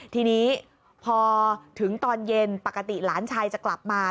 ทีนี้พอถึงตอนเย็นปกติหลานชายจะกลับมา